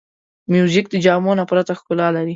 موزیک د جامو نه پرته ښکلا لري.